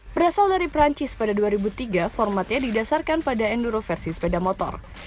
berasal dari perancis pada dua ribu tiga formatnya didasarkan pada enduro versi sepeda motor